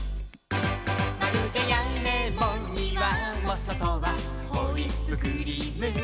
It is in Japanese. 「まるでやねもにわもそとはホイップクリーム」